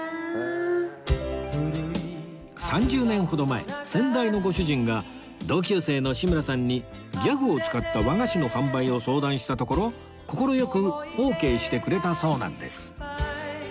３０年ほど前先代のご主人が同級生の志村さんにギャグを使った和菓子の販売を相談したところ快くオーケーしてくれたそうなんです